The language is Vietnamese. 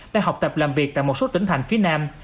đang học tập làm việc tại một số tỉnh thành phía nam